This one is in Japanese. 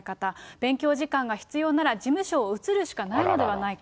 勉強時間が必要なら事務所を移るしかないのではないか。